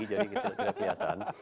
jadi tidak kelihatan